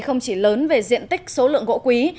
không chỉ lớn về diện tích số lượng gỗ quý